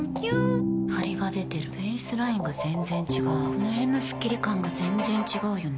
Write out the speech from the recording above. この辺のスッキリ感が全然違うよね。